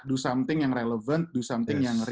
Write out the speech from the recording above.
lakukan sesuatu yang relevan lakukan sesuatu yang nyata